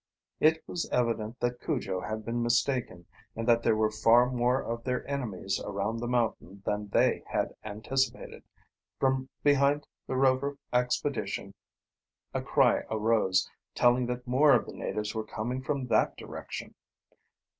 It was evident that Cujo had been mistaken and that there were far more of their enemies around the mountain than they had anticipated. From behind the Rover expedition a cry arose, telling that more of the natives were coming from that direction.